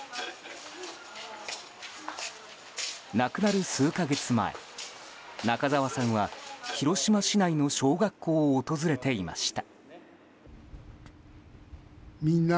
亡くなる数か月前、中沢さんは広島市内の小学校を訪れていました。